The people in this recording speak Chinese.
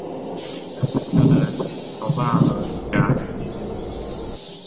肉身像的头发和指甲至今仍在生长。